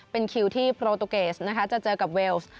เป็นคิวที่โปรตูเกสนะคะจะเจอกับเวลส์